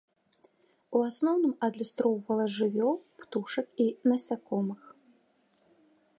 У асноўным адлюстроўвала жывёл, птушак і насякомых.